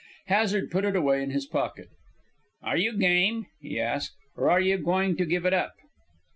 Hazard put it away in his pocket. "Are you game," he asked, "or are you going to give it up?"